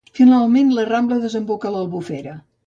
Finalment la rambla desemboca a l'Albufera.